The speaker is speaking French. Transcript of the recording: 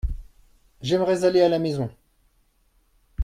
J’aimerais aller à la maison.